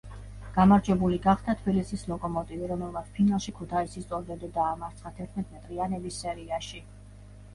გამარჯვებული გახდა თბილისის „ლოკომოტივი“, რომელმაც ფინალში ქუთაისის „ტორპედო“ დაამარცხა თერთმეტმეტრიანების სერიაში.